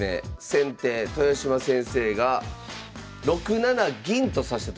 先手豊島先生が６七銀と指したところなんですが。